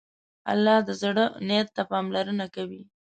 الله د زړه نیت ته پاملرنه کوي.